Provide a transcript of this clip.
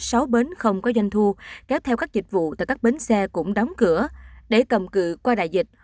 có đến sáu bến không có doanh thu kéo theo các dịch vụ tại các bến xe cũng đóng cửa để cầm cử qua đại dịch